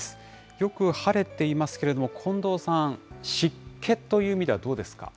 よく晴れていますけれども、近藤さん、湿気という意味ではどうですか。